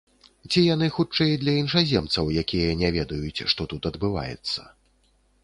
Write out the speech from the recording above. Ці яны хутчэй для іншаземцаў, якія не ведаюць, што тут адбываецца?